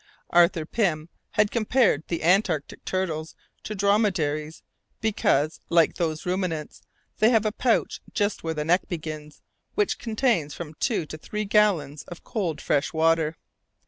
Arthur Pym has compared the antarctic turtles to dromedaries, because, like those ruminants, they have a pouch just where the neck begins, which contains from two to three gallons of cold fresh water.